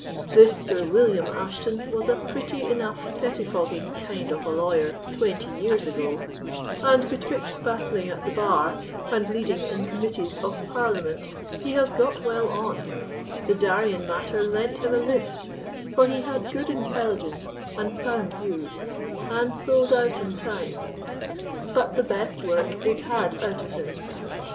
This Sir William Ashton was a pretty enough pettifogging kind of a lawyer twenty years ago, and betwixt battling at the bar and leading in committees of Parliament he has got well on; the Darien matter lent him a lift, for he had good intelligence and sound views, and sold out in time; but the best work is had out of him.